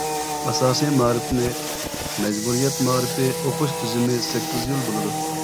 ئاساسىي مائارىپنى مەجبۇرىيەت مائارىپى، ئوقۇش تۈزۈمى سەككىز يىل بولىدۇ.